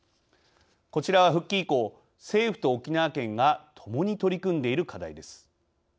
こちらは復帰以降政府と沖縄県がともに取り組んでいる課題です。